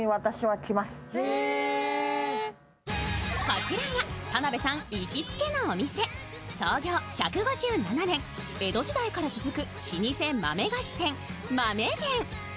こちらが田辺さん行きつけのお店、創業１５７年、江戸時代から続く老舗豆菓子店、豆源。